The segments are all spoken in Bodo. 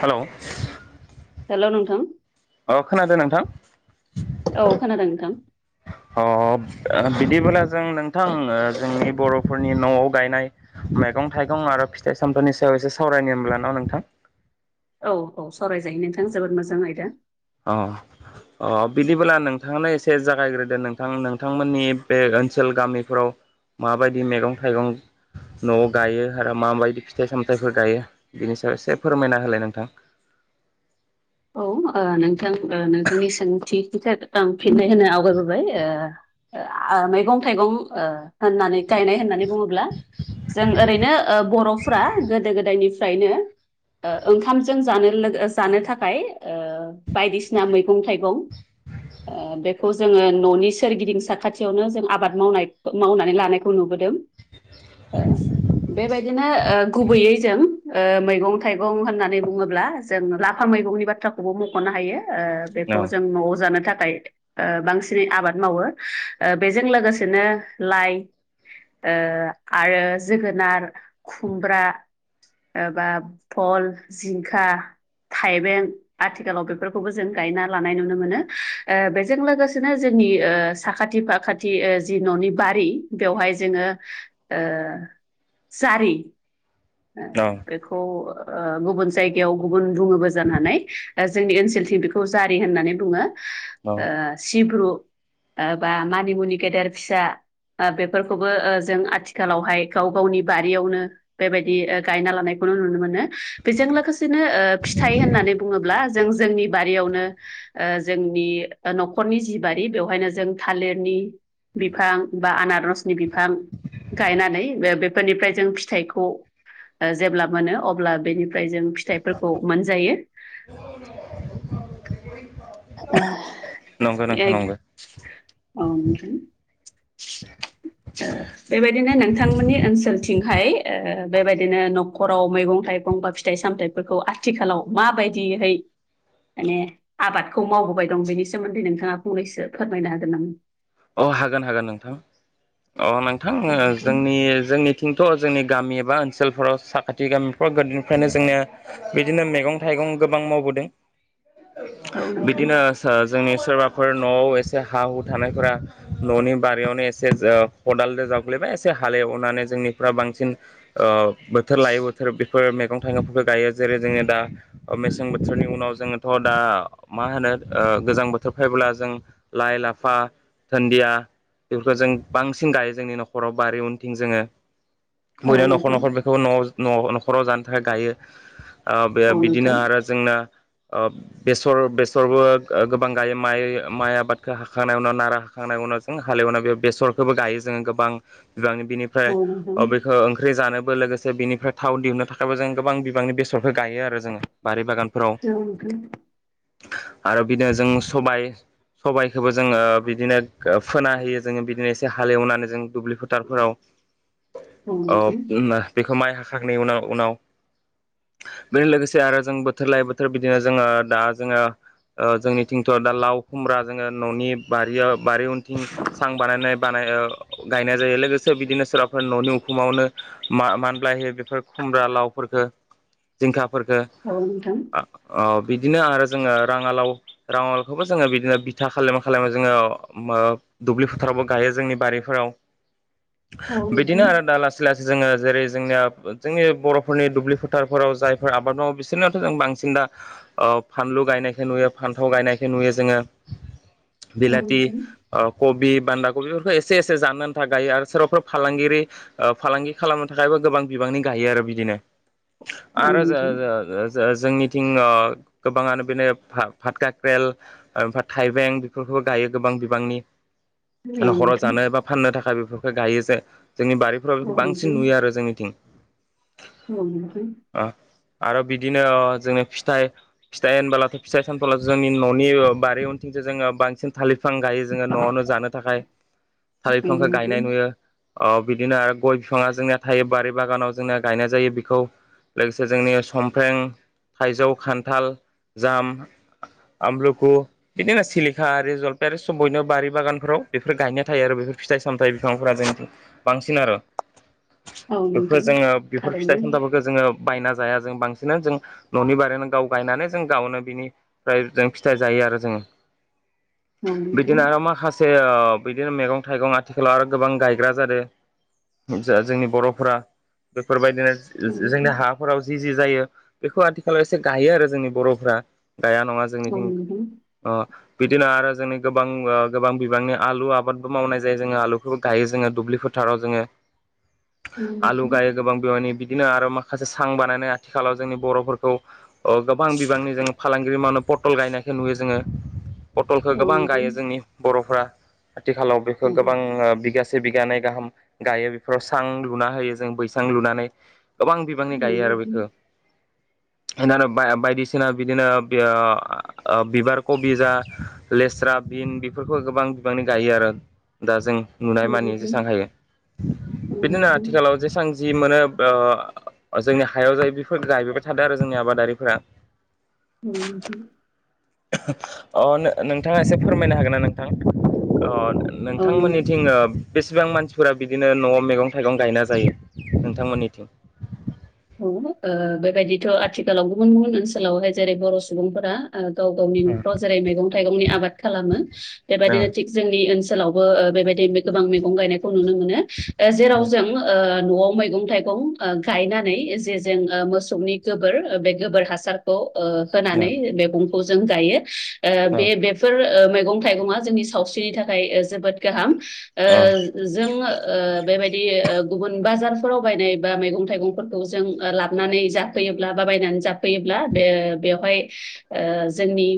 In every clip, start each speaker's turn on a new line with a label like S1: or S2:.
S1: हेलौ
S2: हेल' नोंथां
S1: अ- खोनादों नोंथां
S2: औ खोनादों नोंथां
S1: अ- बिदिबोला जों नोंथां जोंनि बर'फोरनि न'आव गायनाय मैगं थाइगं आरो फिथाइ सामथनि सायाव से सावरायनो होनब्ला न नोंथां
S2: औ औ सरायजायो नोंथां जोबोद मोजां आयदा।
S1: अ अ बिदिबोब्ला नोंथांनो एसे जागायग्रोदो नोंथां नोंथांमोननि बे ओनसोल गामिफोराव माबायदि मैगं थाइगं न'आव गायो आरो माबायदि फिथाइ सामथाइफोर गायो बेनि एसे फोरमायना होलाय नोंथां।
S2: [inaudible] औ ओ नोंथां नोंथांनि सोंथिनि थाखाय आं फिननाय होनो आवगायबोबाय ओ ओ आ मैगं थाइगं ओ होननानै गायनाय होननानै बुङोब्ला जों ओरैनो ओ बर'फ्रा गोदो गोदायनिफ्रायनो ओ ओंखामजों जानो लोग जानो थाखाय ओमफ्राय ओ बायदिसिना मैगं थाइगं ओबेखौ जोंङो न'नि सोरगिदिं साखाथियावनो जों आबाद मावनाय मावनानै लानायखौ नुबोदों। ओ बेबायदिनो ओ गुबैयै जों ओ मैगं थाइगं होननानै बुङोब्ला जों लाफा मैगंनि बाथ्राखौबो मख'नो हायो। ओ
S1: औ
S2: बेखौ जों न'आव जानो थाखाय बांसिनै आबाद मावो बेजों लोगोसेनो लाइ ओ आरो जोगोनार खुमब्रा ओ एबा फल जिंखा थाइबें आथिखालाव बेफोरखौबो जों गायना लानाय नुनो मोनो ओ बेजों लोगोसेनो जोंनि बि ओ साखाथि फाखाथि ओ जि न'नि बारि बेवहाय जोंङो ओ जारि
S1: औ
S2: बेखौ गुबुन ओ जायगायाव गुबुन बुङोबो जानानै जोंनि ओनसोलथिं बेखौ जारि होननानै बुङो। ओ
S1: औ
S2: सिब्रु बा मानिमुनि गेदेर फिसा ओ बेफोरखौबो ओ जों आथिखालावहाय गाव गावनि बारियावनो बेबायदि ओ गायना लानाय नुनो मोनो बेजों लोगोसेनो ओ फिथाइ होननानै बुङोब्ला जों जोंनि बारियावनो ओ जोंनि न'खरनि जि बारि बेवहायनो जों थालिरनि बिफां बा आनारसनि बिफां गायनानै बे बेफोरनिफ्राय जों फिथाइखौ ओ जेब्ला मोनो अब्ला बेनि ओमफ्राय जों फिथाइफोरखौ मोनजायो। आ
S1: नंगौ नोंथां नंगौ
S2: [unintelligible] बेबायदिनो नोंथांमोननि ओनसोलथिं फाय ओ बेबायदिनो न'खराव मैगं थाइगं बा फिथाइ सामथायाइफोरखौ आस आथिखालाव माबायदिहाय माने आबादखौ मावबोबाय दं बेनि सोमोन्दै नोंथाङा फंनैसो फोरमायनो हागोन नामा?
S1: अ हागोन हागोन नोंथां अ नोंथां ओ जोंनि जोंनि थ जोंनि गामि एबा ओनसोलफोराव साखाथि गामिफ्राव गोदोनिफ्रायनो जोंनिया बिदिनो मैगं थाइगं गोबां गोबां मावबोदों।
S2: औ नोंथां
S1: बिदिनो जोंनि सोरबाफोर न'आव एसे हा हु थानायफोरा न'नि बारियावनो एसे खदालजों जावग्लैबाय एसे हालेवनानै जोंनिफ बांसिन ओ बोथोर लायै बोथोर बेफोर मैगं थाइगंफोरखौ गायो जेरै जोंङो दा मेसें बोथोरनि उनाव जोङोथ' दा मा होनो ओ गोजां बोथोर फैब्ला जों लाइ लाफा दोन दिया बेफोरखौ जों बांसिन दायो जोंनि न'खराव बारि उनथिं जोङो।
S2: औ
S1: बयनि न'खर
S2: नोंथां
S1: न'खर बेखौ न' न' न'खराव जानो थाखाय गायो। ओ बे
S2: औ
S1: बिदिनो
S2: नोंथां
S1: आरो जोंना ओ बेसर बेसरबो गोबां गायो माइ माइ आबादखौ हाखां नाय उनाव नारा खांनायनि उनाव जों हालेवना बे बेसर खौबो गायो जोङो गोबां गोबां बिनिफ्राय
S2: औ नोंथां
S1: बेखौ ओंख्रि जानोबो लोगोसे बिनिफ्राय थाव दिहुननो थाखायबो जों गोबां बिबांनि बेसरखौ गायो आरो जोङो बारि बागान फोराव।
S2: औ नोंथां
S1: आरो बिदिनो जों सबाय सबायखोबो जोङो बिदिनो गो फोना होयो जोङो बिदिनो एसे हाल एवनानै जों दुब्लि फोथारफोराव अब ना बेखौ माइ हाखांनायनि उनाव उनाव बेजों लोगोसे आरो जों बोथोर लायै बोथोर बिदिनो जोंङो दा जोंङो ओ जोंनिथिंथ' दा लाव खुमब्रा जोंङो न'नि बारियाव बारि उनथिं सां बानायनाय बानाय ओ गायनाय जायो लोगोसे बिदिनो सोरबाफोर न'नि उखुमावनो म मान्लायो बेफोर खुम खुमब्रा लावफोरखो, जिंखाफोरखो
S2: औ नोंथां
S1: आ अ बिदिनो आरो जोङो राङालाव राङालावखौबो जोङो बिदिनो बिथा खालामै खालामै जोङो मो दुब्लि फोथारावबो गायो जोंनि बारिफोराव
S2: औ नोंथां औ नोंथां औ नोंथां
S1: बिदिनो आरो दा लासै लासै जोंङो जेरै जोंनिया जोंनि बर'फोरनि दुब्लि फोथारफोराव जायफोर आबाद मावो बिसोरनियावथ' जों बांसिन दा अ फानलु गायनायखौ नुयो फान्थाव गायनायखौ नुयो जोंङो।
S2: औ नोंथां
S1: कबि बान्दा कबि बेफोरखौ एसे एसे जानो आन्था गायो आरो सोरबाफोरब फालांगिरि ओ फालांगि खालामनो थाखायबो गोबां बिबांनि गायो आरो बिदिनो
S2: औ नोंथां औ नोंथां
S1: आरो
S2: औ
S1: [unintelligible] जोंनि थिं ओ गोबांङानो बेनो फात काख्रेल ओमफ्राय थाइबें बेफोरखौबो गायो। गोबां बिबांनि न'खराव
S2: नोंथां
S1: जानो बा फाननो थाखाय बेफोरखौ गायो जे जोंनि बारिफ्राव बेखौ बांसिन नुयो आरो जोंनिथिं
S2: गसै [unintelligible]
S1: ओ आरो बिदिनो अ जोंङो फिथाइ फिथाइ होनबोलाथ' फिथाइ सामथुला जोंनि न'नि बारि उनथिंजों जोंङो बांसिन थाललिफां गायो जोंङो न'आवनो जानो थाखाय साल
S2: औ
S1: बिफांखौ
S2: नोंथां
S1: गायनाय नुयो अ बिदिनो आरो गय बिफांङा जोंनाया थायो बारि बागानाव जोंनाया गायनाय जायो बेखौ लोगोसे जोंनि सफ्रें थाइजौ खान्थाल जाम आमलुखौ बिदिनो सिलिखा बे जलफायारि सब बयनो बारि बागानफोराव बेफोर गायनाय थायो आरो बेफोर फिथाइ सामथायाइ बिफांफोरा जों बांसिन आरो
S2: औ
S1: बेफोर
S2: नोंथां
S1: जोंङो बेफोर फिथाइ
S2: थारैनो
S1: सामथफोरखौ जोंङो बायना जाया जों बांसिन जों न'नि बारैनो गाव गायनानै जों गावनो बिनिफ्राय जों फिथाइ जायो। आरो जोंङो
S2: [inaudible] नोंथां
S1: बिदिनो आरो माखासे ओ बिदिनो मैगं थाइगं आथिखालाव आरो गोबां गायग्रा जादों जोंनि बर'फोरा बेफोरबायदिनो
S2: औ
S1: जोंनि
S2: नोंथां
S1: हाफोराव जि जि जायो बेखौ आथिखालाव एसे गायो आरो जोंनि बर'फ्रा। गाया नङा
S2: औ
S1: जोंनिथिं
S2: नोंथां
S1: अ दिनै आरो जोंनि गोबां गोबां बिबांनि आलु आबादबो मावनाय जायो जोंङो आलुफोरबो गायो जोंङो दुब्लिफोरथाराव जोंङो
S2: औ
S1: आलु
S2: नोंथां
S1: गायो गोबां बिबांनि बिदिनो आरो माखासे सां बानायनाय आथिखालाव जोंनि बर'फोरखौ अ गोबां बिबांनि जों फालांगिरि मावनो पटल गायनायखौ नुयो जोंङो पटलखौ
S2: औ नोंथां औ
S1: गोबां
S2: नोंथां
S1: गायो जोंनि बर'फ्रा आथिखालाव बेखौ
S2: औ नोंथां औ
S1: गोबां बिग से बिगानै गाहाम गायो बेफोराव सां लुना होयो जों बैसां लुनानै गोबां बिबांनि गायो आरो बेखो।
S2: नोंथां
S1: बायदिसिना बिदिनो बिबार कबि जा लेस्रा बिन बेफोरखौ गोबां बिबांनि गायो आरो दा जों नुनाय मानि जेसां हायो
S2: औ
S1: बिदिनो
S2: नोंथां
S1: आथिखालाव जेसां जि मोनो अ जोंनि हायाव जायो बेफोर गायबोबाय थादों आरो जोंनि आबादारिफोरा।
S2: [unintelligible]
S1: अ नो-नोंथाङा एसे फोरमायना होगोन ना नोंथां। अ
S2: औ नोंथां
S1: नोंथांमोननिथिं ओ बेसेबां मानसिफोरा बिदि बिदिनो न'आव मैगं थाइगं गायना जायो नोंथां मोननिथिं
S2: बेबायदिथ' आथिखालाव गुबुन गुबुन ओनसोलाव हाय जेरै बर' सुबुंफोरा ओ गाव गावनि न'फ्राव जेरै मैगं थाइगंनि आबाद खालामो बेबायदिनो थिक जोंनि ओनसोल लावबो बेबायदि गोबां मैगं गायनायखौ नुनो मोनो ओ जेराव जों ओ न'आव मैगं थाइगं गायना नै जे जों मोसौनि गोबोर बे गोबोर हासारखौ ओ होनानै मैगं खौ जों गायो ओ बे बेफोर ओ मैगं थाइगंआ जोंनि सावस्रिनि थाखाय जोबोद गाहाम। ओ जो जों ओ बेबायदि ओ गुबुन बाजार फोराव बायनाय बा मैगं थाइगं फोरखौ जों लाबनानै जाफैयोब्ला बा बायनानै जाफैयोब्ला बे बेवहाय ओ जोंनि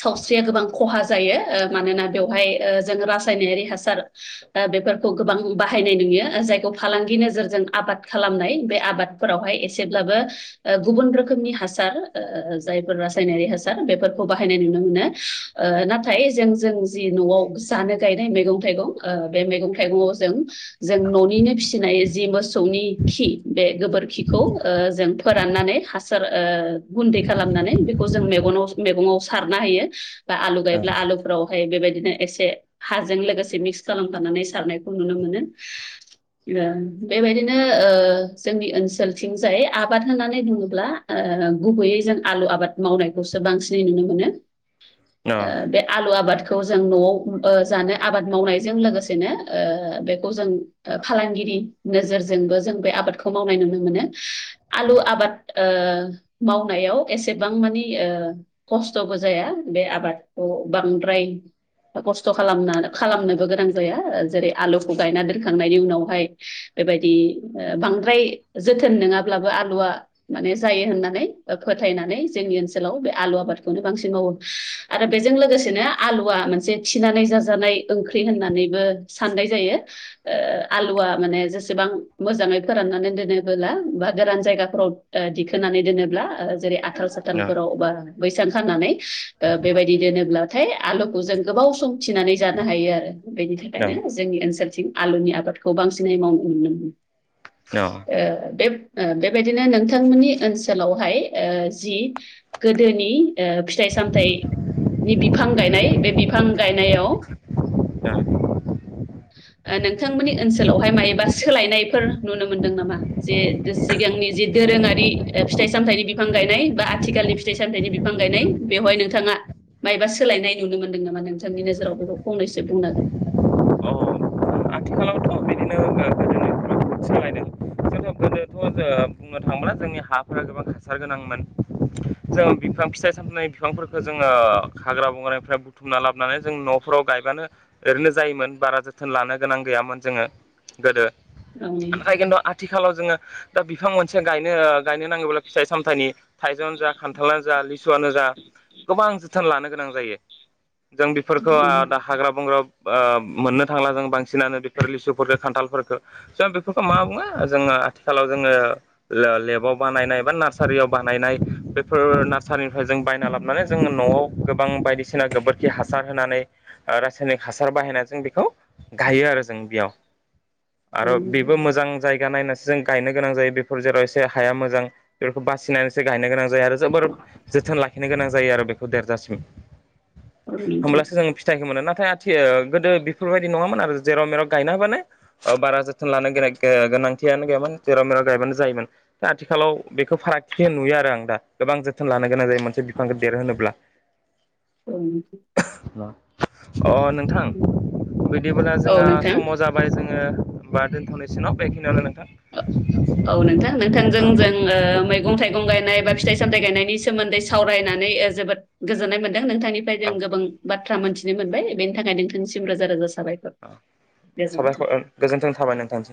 S2: सावस्रिया गोबां खहा जायो ओ मानोना बेवहाय ओ जोङो रासायनारि हासार बेफोरखौ गोबां बाहायनाय नुयो जायखौ फालांगि नोजोरजों आबाद खालामनाय बे आबाद फोरावहाय एसेब्लाबो ओ गुबुन रोखोमनि हासार ओ जायफोर रासायनारि हा सार बेफोरखौ बाहायनाय नुनो मोनो ओ नाथाय जों जों जि न'आव जानो गायनाय मैगं मैगं थाइगं ओ बे मैगं थाइगं आव जों जों न'निनो फिसिनाय जि मोसौनि खि बे गोबोर खिखौ ओ जों फोराननानै हासार ओ गुन्दै खालामनानै बेखौ जों मेगानाव मेगङाव सारना होयो। बा आलु गायब्ला आलु फोरावहाय बेबाय दिनो एसे हाजों लोगोसे मिक्स खालाम फानानै सारनायखौ नुनो मोनो। ओ बेबायदिनो ओ जोंनि ओनसोलथिं जाय आबाद होननानै बुङोब्ला ओ गुबैयै जों आलु आबाद मावनाय खौसो बांसिनै नुनो मोनो ओ बे आलु आबाद खौ जों न'आव ओ जानो आबाद मावनायजों लोगोसेनो ओ बेखौ जों फालांगि नोजोर जोंबो जों बे आबाद खौ मावनाय नुनो मोनो आलु आबाद ओ मावनायाव एसेबां मानि ओ खस्थ'बो जाया बे आबादखौ बांद्राय खस्थ' खालामना खालाम नोबो गोनां जाया जेरै आलुखौ गायना दोनखांनायनि उनाव हाय बेबायदि बांद्र द्राय जोथोन नङा ब्लाबो आलुआ माने जायो होननानै फोथायनानै जोंनि ओनसोलाव आलु आबाद खौनो बांसिन मावो आरो बेजों लोगोसेनो आलुआ मोनसे थिनानै जाजानाय ओंख्रि होननानै बो साननाय जायो ओ आलु आ माने जेसेबां मोजाङै फोरनानै दोनोबोला बा गोरान जायगा फोराव ओ दिखोनानै दोनोब्ला ओ जेरै आथाल साथाल फोरा बा बैसां खानानै बेबायदि दोनोब्ला थाय आलुखौ जों गोबाव बाव सम थिनानै जानो हायो आरो बेनि थाखायनो जोंनि ओनसोलथिं आलुनि आबादखौ बांसिनै मावनो मोनदों। ओ बे ओ बेबायदिनो नोंथां मोननि ओनसोलाव हाय ओ जि गोदोनि ओ फिथाइ सामथाइ नि बिफां गायनाय बे बिफां गायनायाव ओ नोंथां मोननि ओनसोलाव हाय मायोबा सोलाय नायफोर नुनो मोनदों नामा जे सिगांनि जे दोरोङारि ओ फिथाइ सामथाइनि बिफां गायनाय बा आथिखाल नि फिथाइ सामथाइनि बिफां गायनाय बेवहाय नोंथाङा मायबा सोलायनाय नुनो मोनदों नामा नोंथांनि नोजोराव बेखौ फंनैसो बुंनो
S1: औ आथिखालावथ' बिदिनो ओ गोदोनिफ्राय बहुद सोलायदों जोंथ' [unintelligible] बुंनो थाङोब्ला जोंनि हाफोरा गोबां हासार गोनांमोन। जों बिफां फिथाइ सामथाइ बिफांफोरखौ जोङो हाग्रा बंग्रानिफ्राय बुथुमना लाबोनानै जों न' न'खराव गायबानो ओरैनो जायोमोन बारा जोथोन लानो गोनां गैयामोन जोङो गोदो
S2: हागोन
S1: नाथाय खिन्थु आथिखालाव जोङो दा बिफां मोनसे गायनो ओ गायनो नागौब्ला फिथाइ सामथाइनि थाइजौआनो जा खान्थालानो जा लिसुआनो जा गोबां जोथोन लानो गोनां जायो। जों बेफोरखौ आ दा हाग्रा बंग्रा ओ मोननो थांला जों बांसिनानो बेफोर लिसुफोरखौ खान्थाल फोरखो जों बेफोरखौ मा बुङो जोङो आथि आथिखालाव जोङो ले-लेबाव बानायनाय बा नार्सारियाव बानायनाय बेफोर नार्सारिनिफ्राय जों बायना लाबोनानै जोङो न'आव गोबां बायदिसिना गोबोरखि हासार होनानै ओ रासायनिक हासार बाहायनाय जों बेखौ गायो आरो जों बेयाव। आरो बेबो मोजां जायगा नायनासो जों गायनो गोनां जायो बेफोर जेराव एसे हाया मोजां बेफोरखौ बासिनानैसो गायनो गोनां जायो आरो जोबोर जोथोन लाखिनो गोनां जायो आरो बेखौ देरजासिम। होमब्लासो जोङो फिथाइखौ मोनो ना? नाथाय आथि गोदो बेफोरबायदि नङामोन आरो जेराव मेराव गायनो हाबानो बारा जोथोन लानो गो- गोनां थियानो गैयामोन जेराव मेराव गायबानो जायोमोन। दा आथिखालाव बेखौ फारागथिखौ नुयो आरो आं दा गोबां जोथोन ला नो गोनां जायो मोनसे बिफांखौ देरहोनोब्ला।
S2: [unintelligible]
S1: अ नोंथां बिदिब्ला
S2: औ
S1: जोंहा
S2: नोंथां
S1: समाव जाबाय जों ङो बा दोनथ'निसै न' बेखिनियावनो
S2: औ
S1: नोंथां?
S2: औ नोंथां नोंथांजों
S1: औ
S2: जों ओ मैगं थाइगं गायनाय बा फिथाइ सामथाइ गायनायनि सोमोन्दै सावरायना नानै जोबोथ गोजोननाय मोन दों। नोंथांनिफ्राय जों
S1: औ
S2: गोबां बाथ्रा मोनथिनो मोनबाय बेनि थाखाय नोंथांनिसिम रोजा रोजा साबायखर
S1: औ
S2: गोजोनथों।
S1: साबायखर गोजोन्थों थाबाय नोंथांसिम